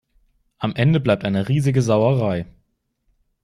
Am Ende bleibt eine riesige Sauerei.